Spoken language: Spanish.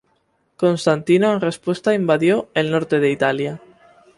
Constantino en respuesta invadió el norte de Italia.